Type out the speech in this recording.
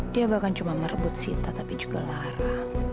dia bukan cuma merebut sita tapi juga lara